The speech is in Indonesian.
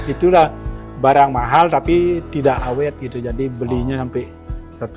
itulah barang mahal tapi tidak awet gitu jadi belinya sampai satu ratus lima puluh juta gitu